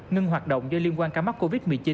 ngừng hoạt động do liên quan cá mắc covid một mươi chín